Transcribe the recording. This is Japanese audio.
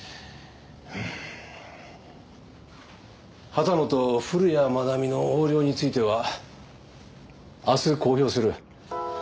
畑野と古谷愛美の横領については明日公表する。